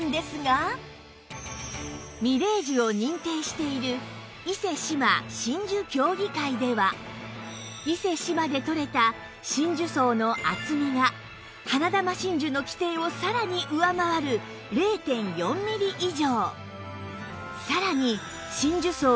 みれい珠を認定している伊勢志摩真珠協議会では伊勢志摩でとれた真珠層の厚みが花珠真珠の規定をさらに上回る ０．４ ミリ以上